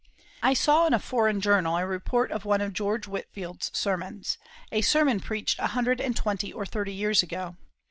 I saw in a foreign journal a report of one of George Whitefield's sermons a sermon preached a hundred and twenty or thirty years ago.